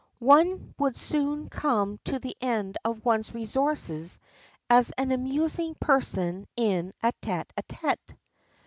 One would soon come to the end of one's resources as an amusing person in a tête à tête."